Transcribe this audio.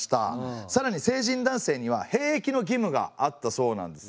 さらに成人男性には兵役の義務があったそうなんですね。